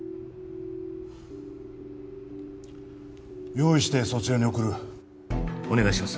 用意してそちらに送るお願いします